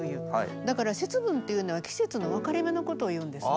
だから節分っていうのは季節の分かれ目のことをいうんですね。